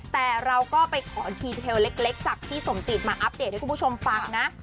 แต่เราก็ไปขอทีเทลเล็กจากพี่สมจิตมาอัปเดตให้คุณผู้ชมฟังนะ